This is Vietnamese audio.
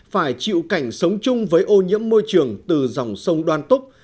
phải chịu cảnh sống chung với ô nhiễm môi trường từ dòng sông đoan túc